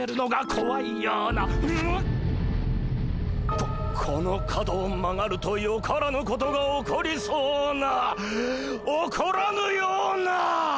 ここの角を曲がるとよからぬことが起こりそうな起こらぬような！